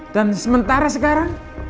dan sementara sekarang